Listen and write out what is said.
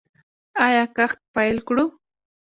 آیا کښت پیل کړو؟